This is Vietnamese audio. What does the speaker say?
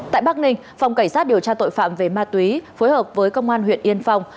tại bắc ninh phòng cảnh sát điều tra tội phạm về ma túy phối hợp với công an huyện yên phong